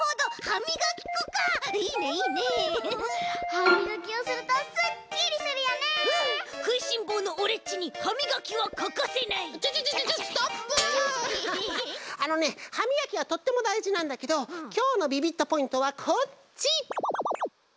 はみがきはとってもだいじなんだけどきょうのビビットポイントはこっち！